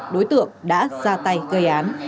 đối tượng đã ra tay gây án